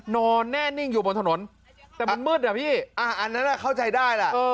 นอนแน่นิ่งอยู่บนถนนแต่มันมืดอะพี่อันนั้นเข้าใจได้ล่ะ